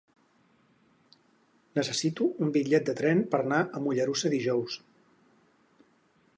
Necessito un bitllet de tren per anar a Mollerussa dijous.